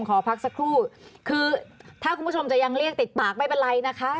คือถ้าคุณผู้ชมจะยังเรียกติดปากไม่เป็นไรนะคะ